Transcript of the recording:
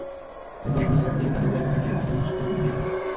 এরপর সন্ধ্যা ছয়টার দিকে তাঁদের জয়পুরহাট জেলা আধুনিক হাসপাতালে নেওয়া হয়।